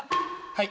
はい。